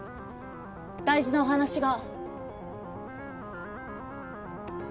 大事なお話が。